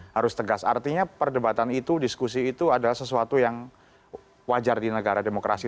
harus tegas artinya perdebatan itu diskusi itu adalah sesuatu yang wajar di negara demokrasi